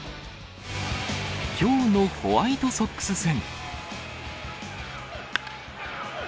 きょうのホワイトソックス戦。